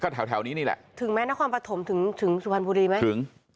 แถวแถวนี้นี่แหละถึงไหมนครปฐมถึงถึงสุพรรณบุรีไหมถึง